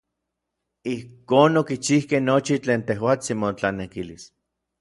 Ijkon okichijkej nochi tlen tejuatsin motlanekilis.